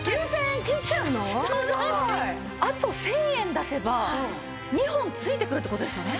あと１０００円出せば２本付いてくるって事ですよね？